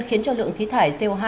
khiến cho lượng khí thải co hai